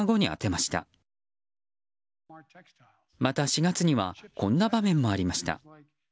また、４月にはこんな場面もありました。